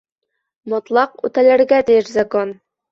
Мотлаҡ үтәлергә тейеш Закон.